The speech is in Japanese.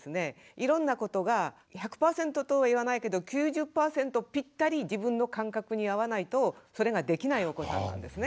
いろんなことが１００％とは言わないけど９０％ぴったり自分の感覚に合わないとそれができないお子さんなんですね。